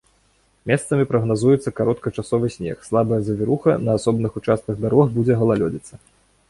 Месцамі прагназуецца кароткачасовы снег, слабая завіруха, на асобных участках дарог будзе галалёдзіца.